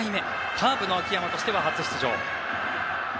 カープの秋山としては初出場。